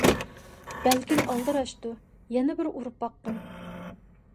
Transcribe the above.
بەلكىم ئالدىراشتۇ، يەنە بىر ئۇرۇپ باققىن.